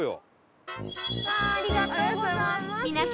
ありがとうございます。